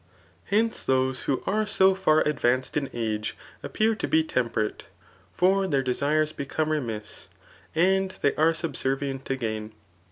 Hence, those who are so far advanced in age appear to be temperate ; for their desires become remiss, and they are subservient to gain.